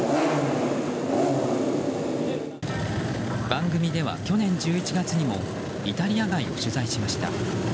番組では去年１１月にもイタリア街を取材しました。